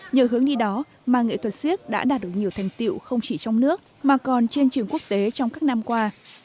nhờ hướng đi đó mà nghệ thuật siếc đã đạt được nhiều thành tiệu không chỉ trong nước mà còn trên trường quốc tế trong các năm qua